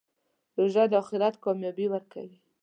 روژه د آخرت کامیابي ورکوي.